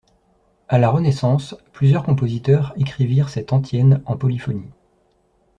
À la Renaissance, plusieurs compositeurs écrivirent cette antienne en polyphonie.